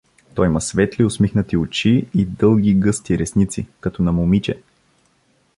Той има светли, усмихнати очи и дълги гъсти ресници, като на момиче.